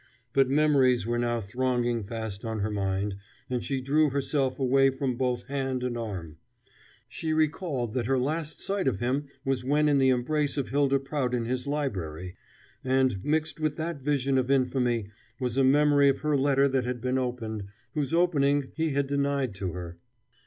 But memories were now thronging fast on her mind, and she drew herself away from both hand and arm. She recalled that her last sight of him was when in the embrace of Hylda Prout in his library; and, mixed with that vision of infamy, was a memory of her letter that had been opened, whose opening he had denied to her.